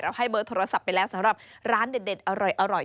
ให้เบอร์โทรศัพท์ไปแล้วสำหรับร้านเด็ดอร่อย